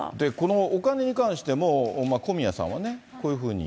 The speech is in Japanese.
このお金に関しても、小宮さんはこういうふうに。